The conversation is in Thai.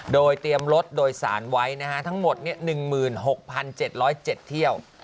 โดยเตรียมรถโดยสารไว้ทั้งหมด๑๖๗๐๗เที่ยว